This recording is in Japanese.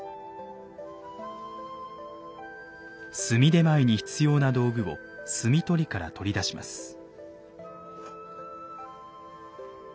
炭点前に必要な道具を炭斗から取り出します。